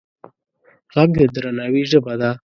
غږ د درناوي ژبه ده